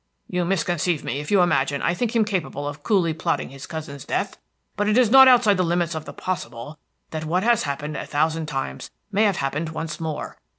You misconceive me if you imagine I think him capable of coolly plotting his cousin's death; but it is not outside the limits of the possible that what has happened a thousand times may have happened once more.